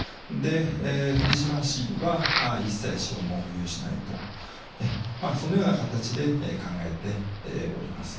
藤島氏は一切資本を保有しないと、そのような形で考えております。